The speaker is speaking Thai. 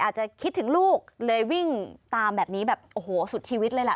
อาจจะคิดถึงลูกเลยวิ่งตามแบบนี้แบบโอ้โหสุดชีวิตเลยล่ะ